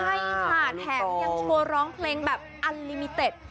ใช่ค่ะแถมยังชัวร์ร้องเพลงแบบอัลลิมิเต็ด